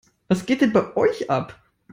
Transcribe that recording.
Was geht denn bei euch ab?